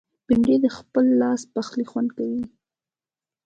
بېنډۍ د خپل لاس پخلي خوند دی